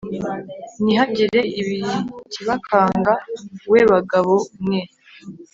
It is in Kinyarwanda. Ntihagire ikibakanga we bagabo mwe